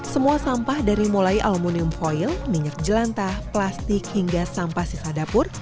semua sampah dari mulai aluminium foil minyak jelantah plastik hingga sampah sisa dapur